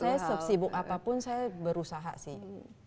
saya sesibuk apapun saya berusaha sih